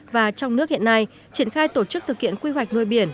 và trong nước hiện nay triển khai tổ chức thực hiện quy hoạch nuôi biển